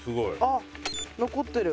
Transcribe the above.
あっ残ってる。